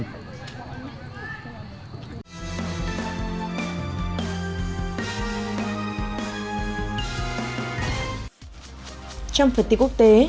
trong phần tiết quốc tế